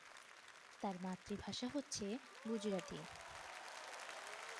তাঁর মাতৃভাষা হচ্ছে গুজরাটি।